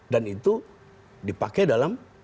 dan itu dipakai dalam